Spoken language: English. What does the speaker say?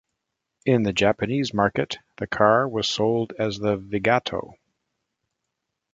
In the Japanese market, the car was sold as the Vigato.